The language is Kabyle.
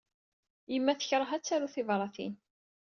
Yemma tekṛeh ad taru tibṛatin.